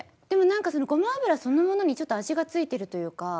でも何かそのごま油そのものにちょっと味が付いてるというか。